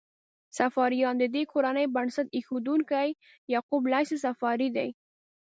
صفاریان: د دې کورنۍ بنسټ ایښودونکی یعقوب لیث صفاري دی.